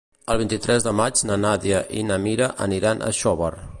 El vint-i-tres de maig na Nàdia i na Mira aniran a Xóvar.